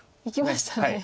いきましたね。